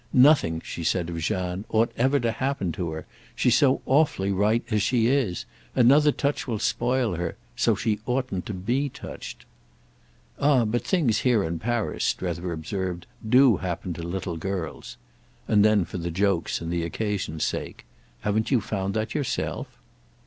"Nothing," she said of Jeanne, "ought ever to happen to her—she's so awfully right as she is. Another touch will spoil her—so she oughtn't to be touched." "Ah but things, here in Paris," Strether observed, "do happen to little girls." And then for the joke's and the occasion's sake: "Haven't you found that yourself?"